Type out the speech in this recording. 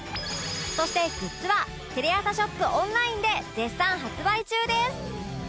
そしてグッズはテレアサショップ ＯＮＬＩＮＥ で絶賛発売中です！